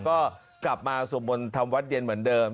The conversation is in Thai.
ก็กลับมาสวดมนต์ทำวัดเย็นเหมือนเดิม